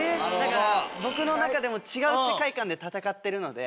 僕の中でも違う世界観で戦ってるので。